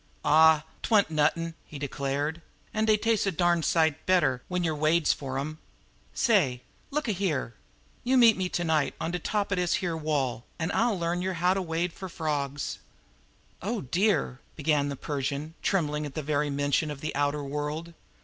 "Aw, 't wan't nuttin'," he declared, "an' dey tastes a darn sight better when yer wades fer 'em. Say! Look a here! You meet me to night on de top er dis here wall, an' I'll learn yer how to wade fer frawgs." "Oh, dear!" began the Persian, trembling at the very mention of the outer world.